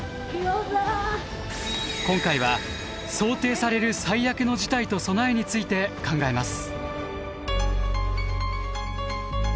今回は想定される最悪の事態と備えについて考えます。